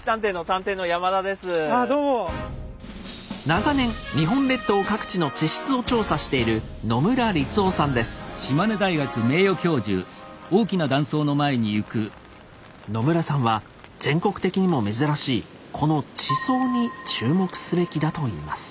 長年日本列島各地の地質を調査している野村さんは全国的にも珍しいこの地層に注目すべきだと言います。